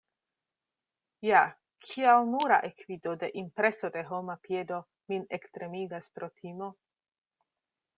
Ja, kial nura ekvido de impreso de homa piedo min ektremigas pro timo?